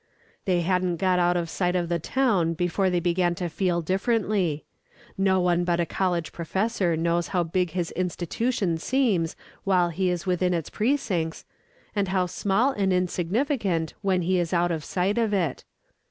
They hadn't got out of sight of the town before they began to feel differently. No one but a college professor knows how big his institution seems while he is within its precincts, and how small and insignificant when he is out of sight of it.